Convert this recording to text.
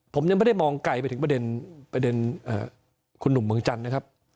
ผมยังไม่ได้มองไกลไปถึงประเด็นคุณหนุ่มเมืองจันทร์นะครับ